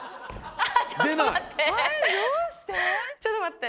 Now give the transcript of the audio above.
ちょっと待って。